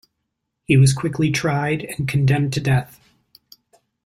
He was quickly tried and condemned to death.